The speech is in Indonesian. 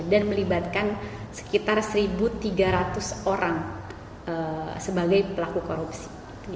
dan melibatkan sekitar satu tiga ratus orang sebagai pelaku korupsi